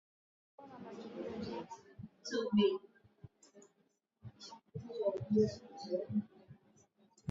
kwenye klabu yetu alikuwa mjumbe wa kamati ya Masoko na Uwekezaji ya Simba alisema